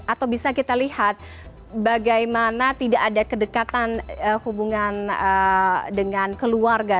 atau bisa kita lihat bagaimana tidak ada kedekatan hubungan dengan keluarga